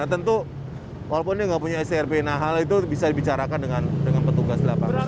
tentu walaupun dia nggak punya strp nah hal itu bisa dibicarakan dengan petugas di lapangan